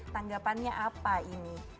tanggapannya apa ini